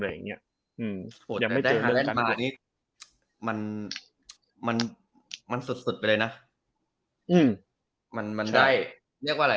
โหแต่ได้ฮาแลนด์มาอันนี้มันสุดไปเลยนะ